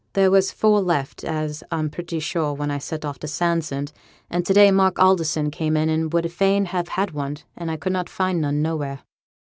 There was four left, as I'm pretty sure, when I set off to Sandsend; and to day Mark Alderson came in, and would fain have had one, and I could find none nowhere.'